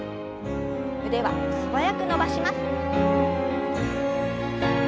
腕は素早く伸ばします。